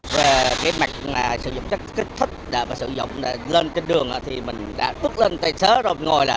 về cái mặt sử dụng chất kích thích và sử dụng lên cái đường thì mình đã tức lên tay xế rồi ngồi là